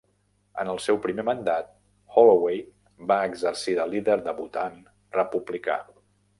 En el seu primer mandat, Holloway va exercir de líder debutant republicà.